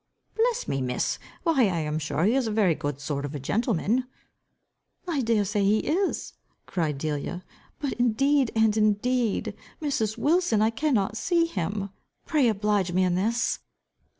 "Bless me, Miss! why I am sure he is a very good sort of a gentleman." "I dare say he is," cried Delia. "But indeed, and indeed, Mrs. Wilson, I cannot see him. Pray oblige me in this."